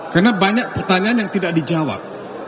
karena banyak pertanyaan yang tidak dijawab